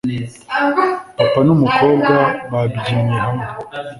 papa n'umukobwa babyinnye hamwe